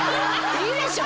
いいでしょ。